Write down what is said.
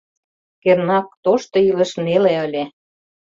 Кернак, тошто илыш неле ыле.